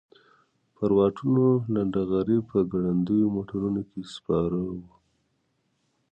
پر واټونو لنډه غري په ګړندیو موټرونو کې سپاره وو.